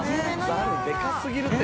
ざるでかすぎるって。